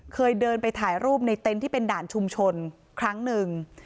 เคยเดินไปถ่ายรูปในเต็นต์ที่เป็นด่านชุมชนครั้งหนึ่ง